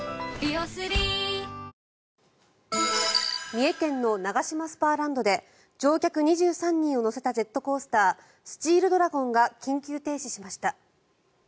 三重県のナガシマスパーランドで乗客２３人を乗せたジェットコースタースチールドラゴンが緊急停止しました。